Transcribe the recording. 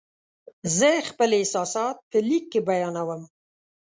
زه خپل احساسات په لیک کې بیانوم.